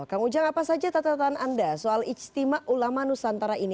kang ujang apa saja catatan anda soal ijtima ulama nusantara ini